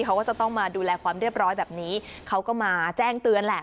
เขาก็จะต้องมาดูแลความเรียบร้อยแบบนี้เขาก็มาแจ้งเตือนแหละ